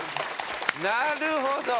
なるほど。